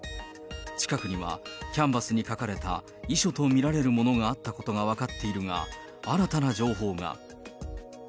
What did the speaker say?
近くには、キャンバスに書かれた遺書と見られるものがあったことが分かっているが、新たな情報が。